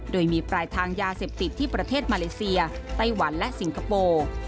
โดยมีปลายทางยาเสพติดที่ประเทศมาเลเซียไต้หวันและสิงคโปร์